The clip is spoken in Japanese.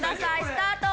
スタート！